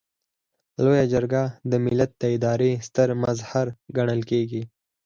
لویه جرګه د ملت د ادارې ستر مظهر ګڼل کیږي.